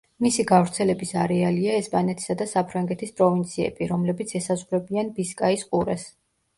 მისი გავრცელების არეალია ესპანეთისა და საფრანგეთის პროვინციები, რომლებიც ესაზღვრებიან ბისკაის ყურეს.